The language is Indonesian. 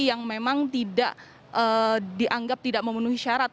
yang memang tidak dianggap tidak memenuhi syarat